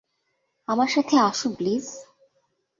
আমার সাথে আসুন প্লিজ।